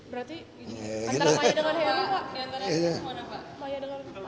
berarti antara maya dengan heru pak